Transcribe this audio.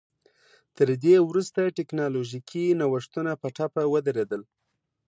تر دې وروسته ټکنالوژیکي نوښتونه په ټپه ودرېدل